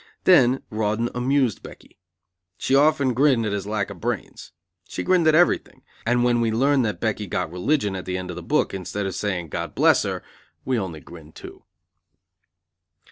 Then Rawdon amused Becky. She often grinned at his lack of brains. She grinned at everything, and when we learn that Becky got religion at the end of the book, instead of saying, God bless her, we only grin, too.